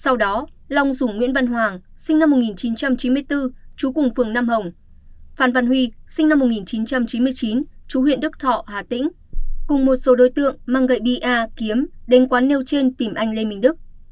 sau đó long dùng nguyễn văn hoàng sinh năm một nghìn chín trăm chín mươi bốn chú cùng phường nam hồng phan văn huy sinh năm một nghìn chín trăm chín mươi chín chú huyện đức thọ hà tĩnh cùng một số đối tượng mang gậy bi a kiếm đến quán nêu trên tìm anh lê minh đức